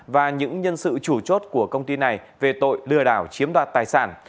và những nhân sự chủ chốt của công ty này về tội lừa đảo chiếm đoạt tài sản